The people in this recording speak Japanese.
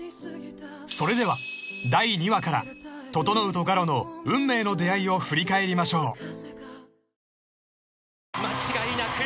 ［それでは第２話から整と我路の運命の出会いを振り返りましょう］